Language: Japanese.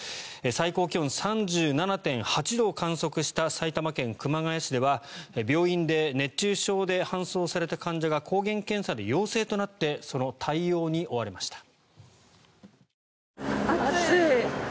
最高気温３７．８度を観測した埼玉県熊谷市では病院で熱中症で搬送された患者が抗原検査で陽性となってその対応に追われました。